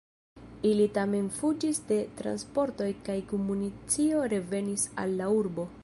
Ili tamen fuĝis de transportoj kaj kun municio revenis al la urbo.